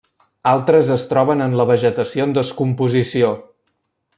Altres es troben en la vegetació en descomposició.